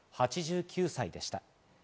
８９歳でした。